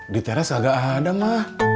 di teras gak ada ma